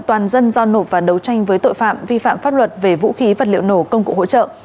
toàn dân giao nộp và đấu tranh với tội phạm vi phạm pháp luật về vũ khí vật liệu nổ công cụ hỗ trợ